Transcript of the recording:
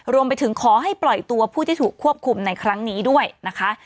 รวมไปถึงขอให้ปล่อยตัวผู้ที่ถูกควบคุมในครั้งนี้ด้วยนะคะ